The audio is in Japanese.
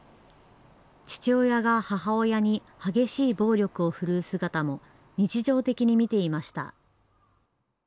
父親が母親に激しい暴力を振るう姿も日常的に見ていました。